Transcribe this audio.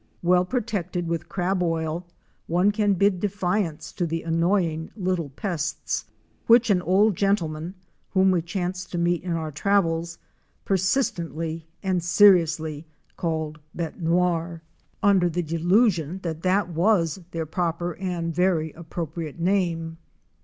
Well pro tected with crab oil one can bid defiance to the annoying little pests, which an old gentleman whom we chanced to meet in our travels persistently and seriously called "' dée noir," 146 OUR SEARCH FOR A WILDERNESS. under the delusion that that was their proper and very appropriate name.